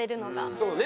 そうね。